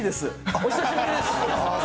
お久しぶりです。